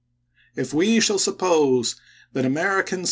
If we shall suppose that American chap.